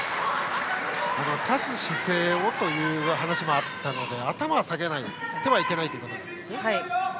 断つ姿勢をという話もあったので頭は下げてはいけないということですね。